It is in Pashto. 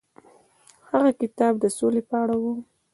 هغه کتاب د سولې په اړه و.